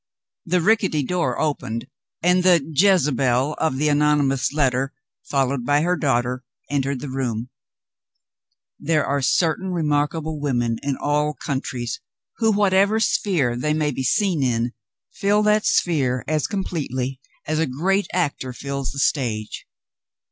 The rickety door opened, and the "Jezebel" of the anonymous letter (followed by her daughter) entered the room. There are certain remarkable women in all countries who, whatever sphere they may be seen in, fill that sphere as completely as a great actor fills the stage.